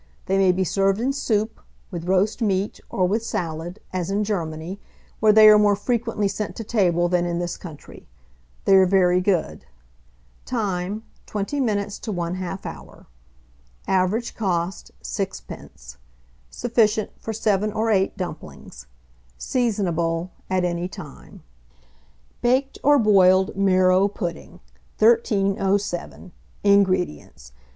They may be served in soup, with roast meat, or with salad, as in Germany, where they are more frequently sent to table than in this country. They are very good. Time. 20 minutes to 1/2 hour. Average cost, 6d. Sufficient for 7 or 8 dumplings. Seasonable at any time. BAKED OB BOILED MARROW PUDDING. 1307. INGREDIENTS.